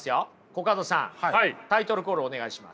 コカドさんタイトルコールお願いします。